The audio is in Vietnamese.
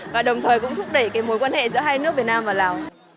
và đồng thời cũng thúc đẩy mối quan hệ giữa hai nước việt nam và lào